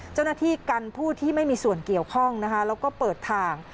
เจ้าหน้าที่กันผู้ที่ไม่มีส่วนเกี่ยวข้องนะคะแล้วก็เปิดทาง